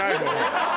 ハハハハ！